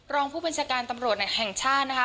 รองผู้บัญชาการตำรวจแห่งชาตินะคะ